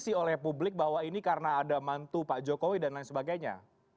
konsis oleh publik bahwa ini karena ada mantu pak jokowi dan lain sebagainya